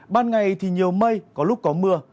ban ngày thì nhiều mây có lúc có mưa